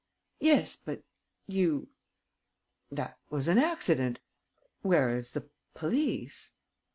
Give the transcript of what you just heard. "Yes, but ... you ... that was an accident ... whereas the police...."